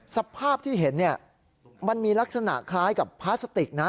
สภาพที่เห็นเนี่ยมันมีลักษณะคล้ายกับพลาสติกนะ